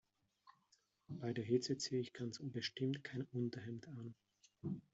Bei der Hitze ziehe ich ganz bestimmt kein Unterhemd an.